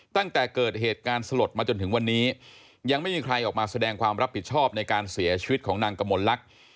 ตั้งแต่เกิดเหตุการณ์สลดมาจนถึงวันนี้ยังไม่มีใครออกมาแสดงความรับผิดชอบในการเสียชีวิตของนางกมลลักษณ์